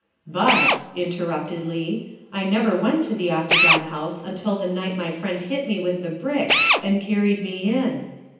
" But," interrupted Leigh, " I never went to the Octagon House until the night my friend hit me with the brick and carried me in."